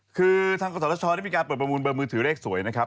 คือทางกศชได้มีการเปิดประมูลเบอร์มือถือเลขสวยนะครับ